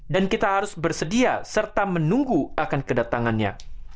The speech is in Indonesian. dan kita harus bersedia serta menunggu akan kedatangannya